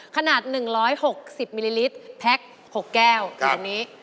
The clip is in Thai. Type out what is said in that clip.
ขนาด๑๖๐มิลลิตรแพ็ก๖แก้วอย่างนี้